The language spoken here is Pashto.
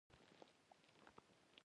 د تور ژیړي واکسین وکړم؟